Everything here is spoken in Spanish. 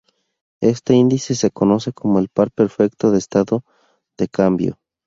Este índice se conoce como el par perfecto de estado de cambio.